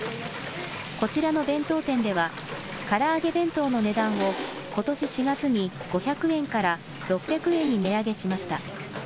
こちらの弁当店では、から揚げ弁当の値段を、ことし４月に５００円から６００円に値上げしました。